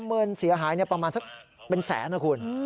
เงินเสียหายประมาณสักเป็นแสนนะคุณ